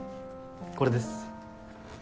これです。